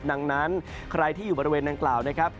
ดังนั้นใครที่อยู่บริเวณดังกล่าวนะครับ